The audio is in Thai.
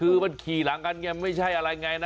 คือมันขี่หลังกันไงไม่ใช่อะไรไงนะ